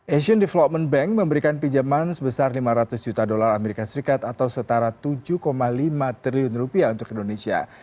asian development bank memberikan pinjaman sebesar lima ratus juta dolar amerika serikat atau setara tujuh lima triliun rupiah untuk indonesia